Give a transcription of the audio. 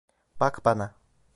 Bak bana.